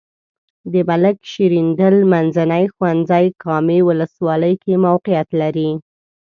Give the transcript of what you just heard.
د ملک شیریندل منځنی ښونځی کامې ولسوالۍ کې موقعیت لري.